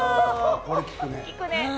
これ効くね。